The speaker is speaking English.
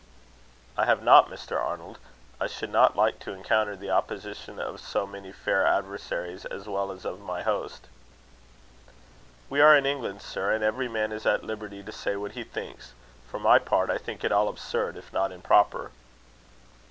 "I have not, Mr. Arnold; I should not like to encounter the opposition of so many fair adversaries, as well as of my host." "We are in England, sir; and every man is at liberty to say what he thinks. For my part, I think it all absurd, if not improper."